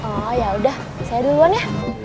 oh yaudah saya duluan ya